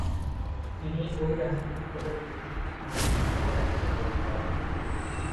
তিনি ঐ রাজনৈতিক দলের প্রতিষ্ঠাতা সভাপতি হিসেবে দায়িত্ব পালন করেন।